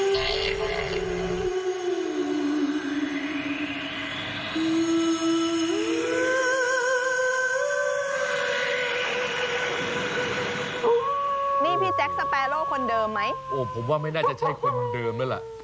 มีพี่แจ๊คสเปร่าคนเดิมไหมผมว่าไม่ได้จะใช่คนเดิมแล้วล่ะ